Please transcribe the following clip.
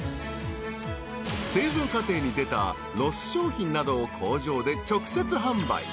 ［製造過程に出たロス商品などを工場で直接販売］